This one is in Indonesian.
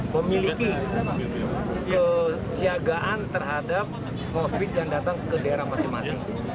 memiliki kesiagaan terhadap covid yang datang ke daerah masing masing